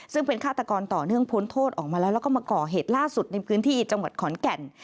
ซึ่งเป็นฆาตกรต่อเนื่องพ้นโทษออกมาแล้วแล้วก็มาก่อเหตุล่าสุดในพื้นที่จังหวัดขอนแก่น